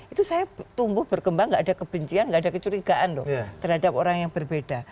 itu saya tumbuh berkembang nggak ada kebencian gak ada kecurigaan loh terhadap orang yang berbeda